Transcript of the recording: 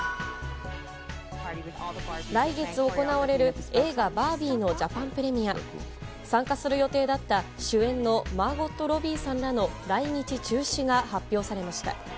来月行われる映画「バービー」のジャパンプレミア。参加する予定だった主演のマーゴット・ロビーさんらの来日中止が発表されました。